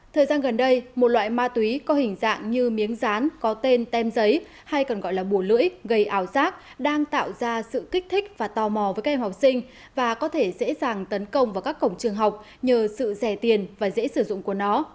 thời gian gần đây một loại ma túy có hình dạng như miếng rán có tên tem giấy hay còn gọi là bù lưỡi gây ảo giác đang tạo ra sự kích thích và tò mò với các em học sinh và có thể dễ dàng tấn công vào các cổng trường học nhờ sự rẻ tiền và dễ sử dụng của nó